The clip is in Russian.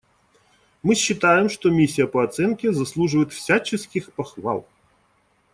Мы считаем, что миссия по оценке заслуживает всяческих похвал.